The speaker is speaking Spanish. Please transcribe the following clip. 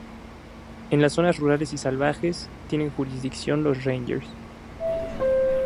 En las zonas rurales y salvajes, tienen jurisdicción los Rangers.